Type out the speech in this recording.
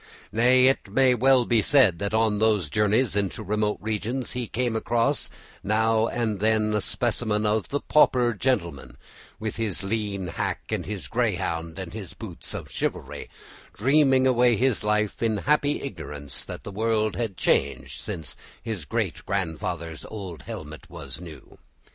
Nay, it may well be that on those journeys into remote regions he came across now and then a specimen of the pauper gentleman, with his lean hack and his greyhound and his books of chivalry, dreaming away his life in happy ignorance that the world had changed since his great grandfather's old helmet was new.